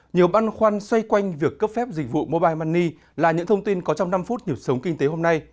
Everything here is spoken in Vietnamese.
nhiều băn khoăn xoay quanh việc cấp phép dịch vụ mobile money là những thông tin có trong năm phút nhịp sống kinh tế hôm nay